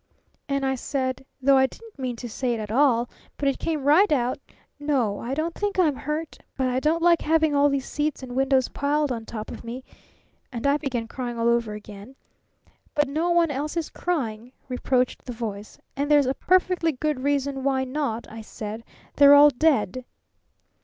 And I said though I didn't mean to say it at all, but it came right out 'N o, I don't think I'm hurt, but I don't like having all these seats and windows piled on top of me,' and I began crying all over again. 'But no one else is crying,' reproached the Voice. 'And there's a perfectly good reason why not,' I said. 'They're all dead!'